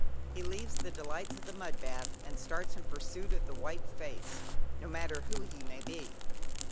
He leaves the delights of the mud bath, and starts in pursuit of the white face, no matter who he may be.